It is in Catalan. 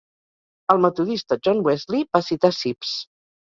El metodista John Wesley va citar Sibbes.